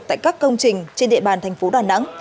tại các công trình trên địa bàn tp đà nẵng